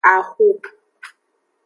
Axu.